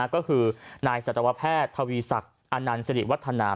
ก็คือนายสัตวแพทย์ทวีศักดิ์อนันต์สิริวัฒนา